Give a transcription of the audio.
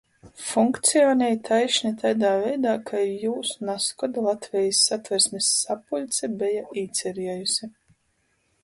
Funkcionej taišni taidā veidā, kai jūs nazkod Latvejis Satversmis sapuļce beja īceriejuse.